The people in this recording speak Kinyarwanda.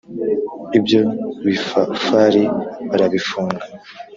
Ibyo bifafari barabifunga!